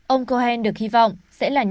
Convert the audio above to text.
ông cohen được hy vọng sẽ là nhân chứng